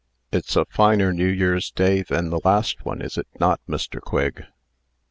"It's a finer New Year's day than the last one, is it not, Mr. Quigg?"